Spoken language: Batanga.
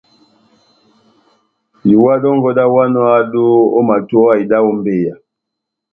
Iwa dɔngɔ dáháwanɔ ó ehádo, omatowa ida ó mbeyá.